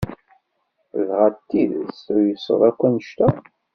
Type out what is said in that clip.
Dɣa d tidet tuysed akk anect-a?